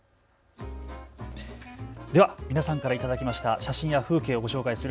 皆さんから頂きました写真や風景をご紹介する＃